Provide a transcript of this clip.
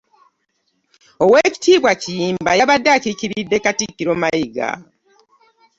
Oweekitiibwa Kiyimba yabadde akiikiridde katikkiro Mayiga